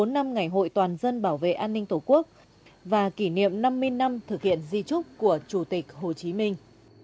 một mươi năm năm ngày hội toàn dân bảo vệ an ninh tổ quốc và kỷ niệm năm mươi năm thực hiện di trúc của chủ tịch hồ chí minh